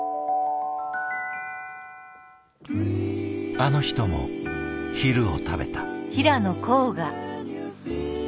あの人も昼を食べた。